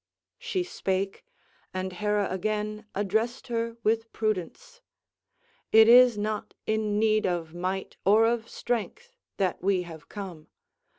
She spake, and Hera again addressed her with prudence: "It is not in need of might or of strength that we have come.